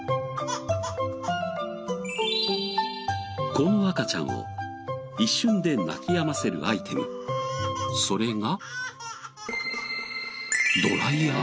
この赤ちゃんを一瞬で泣きやませるアイテムそれが。